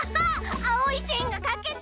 あおいせんがかけた！